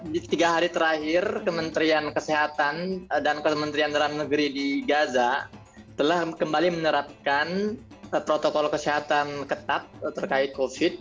di tiga hari terakhir kementerian kesehatan dan kementerian dalam negeri di gaza telah kembali menerapkan protokol kesehatan ketat terkait covid sembilan belas